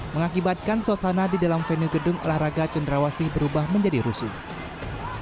mengakibatkan suasana di dalam venue gedung olahraga cendrawasi berubah menjadi rusuh